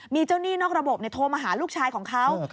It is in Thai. มีเจ้าหนี้นอกระบบโทรมาหาลูกชายของเขา